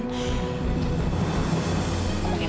tapi aku gak tahu siapa